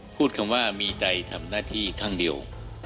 พูดคำว่ามีใจทำหน้าที่ข้างเดียว